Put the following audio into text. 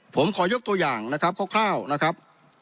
ผมขอยกตัวอย่างนะครับคร่าวนะครับ